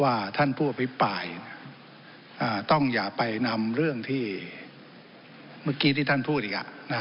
ท่านผู้อภิปรายต้องอย่าไปนำเรื่องที่เมื่อกี้ที่ท่านพูดอีก